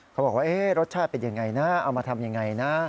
เขาบอกว่ารสชาติเป็นยังไงนะเอามาทำยังไงนะ